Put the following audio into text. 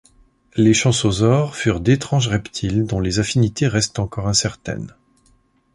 Les champsosaures furent d'étranges reptiles dont les affinités restent encore incertaines.